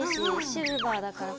シルバーだから。